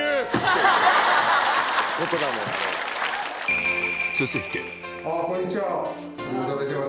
こんにちは！